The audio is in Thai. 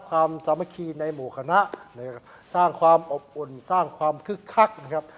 สามสามัคคีในหมู่คณะนะครับสร้างความอบอุ่นสร้างความคึกคักนะครับ